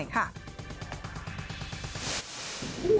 ดีใจมากเลยใช่ไหม